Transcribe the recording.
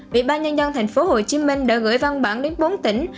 vị ba nhân dân tp hcm đã gửi văn bản đến bốn tỉnh